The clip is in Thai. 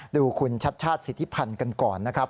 ดูคุณชัดชาติสิทธิพันธ์กันก่อนนะครับ